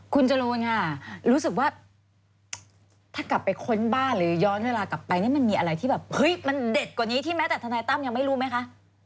คุณจรูนค่ะรู้สึกว่าถ้ากลับไปค้นบ้านหรือย้อนเวลากลับไปนี่มันมีอะไรที่แบบเฮ้ยมันเด็ดกว่านี้ที่แม้แต่ทนายตั้มยังไม่รู้ไหมคะ